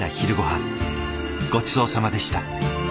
ごちそうさまでした。